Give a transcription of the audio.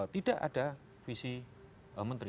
tidak ada visi menteri